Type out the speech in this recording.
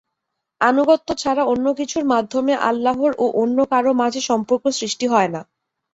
আনুগত্য ছাড়া অন্য কিছুর মাধ্যমে আল্লাহর ও অন্য কারো মাঝে সম্পর্ক সৃষ্টি হয় না।